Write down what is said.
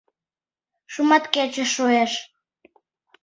Шуматкече шуэш.